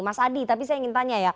mas adi tapi saya ingin tanya ya